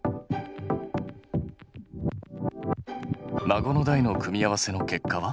孫の代の組み合わせの結果は？